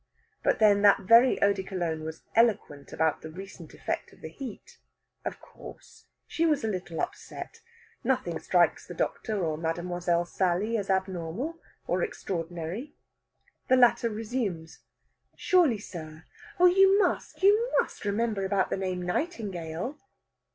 But then that very eau de Cologne was eloquent about the recent effect of the heat. Of course, she was a little upset. Nothing strikes either the doctor or Mademoiselle Sally as abnormal or extraordinary. The latter resumes: "Surely, sir! Oh, you must, you must remember about the name Nightingale?"